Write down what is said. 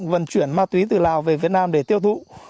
vận chuyển ma túy từ lào về việt nam để tiêu thụ